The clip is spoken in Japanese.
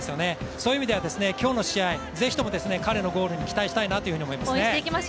そういう意味では今日の試合、ぜひとも彼のゴールに期待したいと思います。